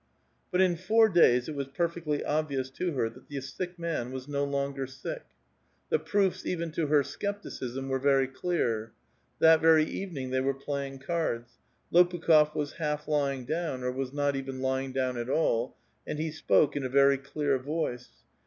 " But, in four days, it was perfectly obvious to her that the sick man was no longer sick ; the proofs even to her skepti cism were very clear ; that very evening they were playing cards ; Lopukh6f was half lying down, or was not even lying down at all, and he sj>oke in a ver}' clear voice.